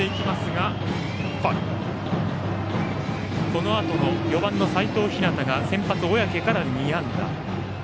このあとの４番の齋藤陽が先発、小宅から２安打。